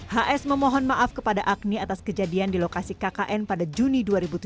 hs memohon maaf kepada agni atas kejadian di lokasi kkn pada juni dua ribu tujuh belas